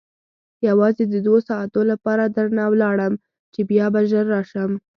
یوازې د دوو ساعتو لپاره درنه ولاړم چې بیا به ژر راشم.